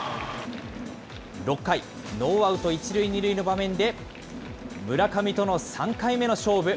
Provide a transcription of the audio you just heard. ６回、ノーアウト１塁２塁の場面で、村上との３回目の勝負。